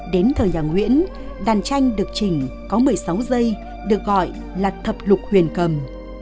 đến thời nhà nguyễn đàn tranh được chỉnh có một mươi sáu giây được gọi là thập lục huyền cầm